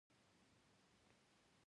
ټابلیټ مې د لوست لپاره ښه دی.